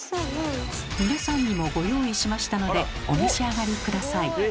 皆さんにもご用意しましたのでお召し上がり下さい。